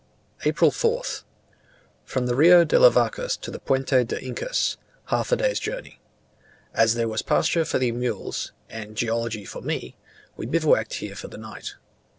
April 4th. From the Rio de las Vacas to the Puente del Incas, half a day's journey. As there was pasture for the mules, and geology for me, we bivouacked here for the night.